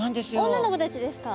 女の子たちですか。